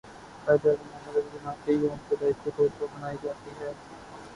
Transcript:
قائد اعظم محمد علی جناح کے يوم پیدائش طور پر منائی جاتى ہے